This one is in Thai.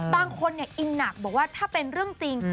บางคนอินหนักบอกว่าถ้าเป็นเรื่องจริง